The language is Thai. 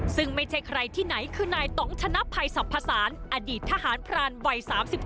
ซึ่งไม่ใช่ใครที่ไหนคือนายต้องชนะภัยสรรพสารอดีตทหารพรานวัย๓๗